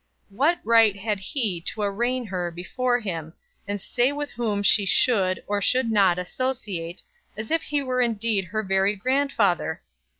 What right had he to arraign her before him, and say with whom she should, or should not, associate, as if he were indeed her very grandfather!